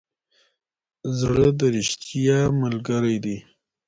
زړه د ریښتیا ملګری دی.